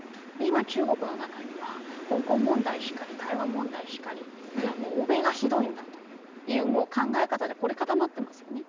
今中国の中には香港問題しかり、台湾問題しかり欧米がひどいんだという考え方で凝り固まってます。